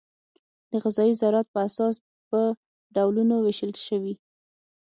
د غذایي ضرورت په اساس په ډولونو وېشل شوي.